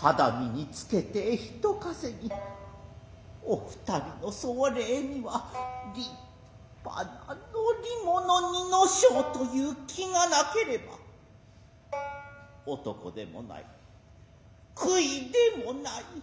肌身につけて一ト稼ぎお二人の葬礼には立派な乗物に乗しょうと言う気が無ければ男でもない杭でもない。